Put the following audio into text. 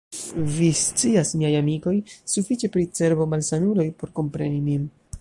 Vi scias, miaj amikoj, sufiĉe pri cerbomalsanuloj, por kompreni min.